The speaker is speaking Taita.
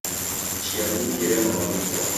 Chia nyingi renonwa ni vua.